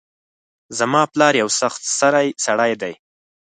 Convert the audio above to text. زما پلار یو سخت سرۍ سړۍ ده